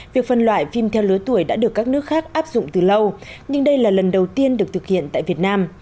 việc phân loại phim theo lứa tuổi đã được các nước khác áp dụng từ lâu nhưng đây là lần đầu tiên được thực hiện tại việt nam